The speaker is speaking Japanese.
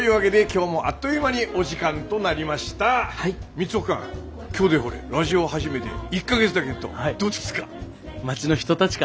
三生君今日でほれラジオ始めて１か月だげんどどうですか？